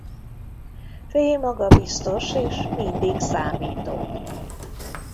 Faye magabiztos és mindig számító.